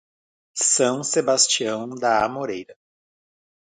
São Sebastião da Amoreira